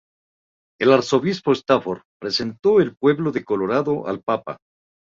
El arzobispo Stafford presentó el pueblo de Colorado al Papa.